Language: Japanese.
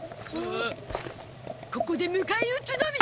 ここで迎え撃つのみ！